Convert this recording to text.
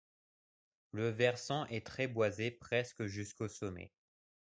Le versant est très boisé presque jusqu'au sommet.